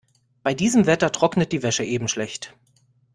Bei diesem Wetter trocknet die Wäsche eben schlecht.